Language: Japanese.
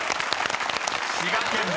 ［「滋賀県」です］